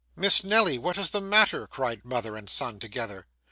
'Miss Nelly! What is the matter!' cried mother and son together.